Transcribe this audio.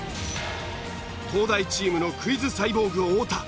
東大チームのクイズサイボーグ太田。